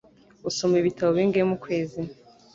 Usoma ibitabo bingahe mukwezi?